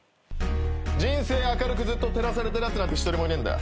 人生明るくずっと照らされてるやつなんて１人もいねえんだ。